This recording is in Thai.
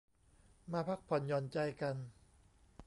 มาพักผ่อนหย่อนใจกัน